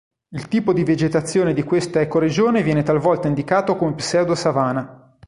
Il tipo di vegetazione di questa ecoregione viene talvolta indicato come pseudo-savana.